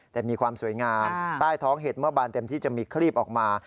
แต่มีความสวยงามใต้ท้องเห็ดเมื่อบานเต็มที่จะมีคลีบออกมา